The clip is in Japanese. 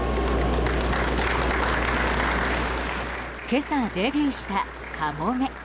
今朝デビューした「かもめ」